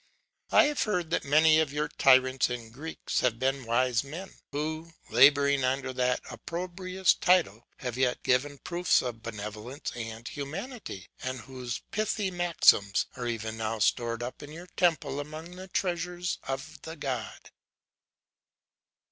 I have heard that many of your tyrants in Greece have been wise men, who, labouring under that opprobrious title, have yet given proofs of benevolence and humanity, and whose pithy maxims are even now stored up in your temple among the treasures of the God.